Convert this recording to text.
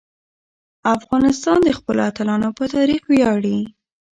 افغانستان د خپلو اتلانو په تاریخ ویاړي.